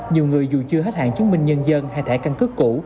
nhiều người dù chưa hết hạn chứng minh nhân dân hay thẻ căn cứ cũ